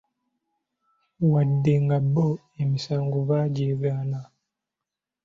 Wadde nga bo emisango bagyegaana.